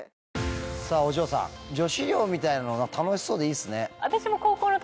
さぁお嬢さん女子寮みたいなの楽しそうでいいですね。